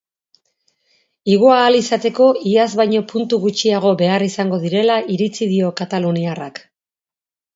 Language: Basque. Igo ahal izateko iaz baino puntu gutxiago behar izango direla iritzi dio kataluniarrak.